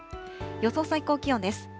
予想最高気温です。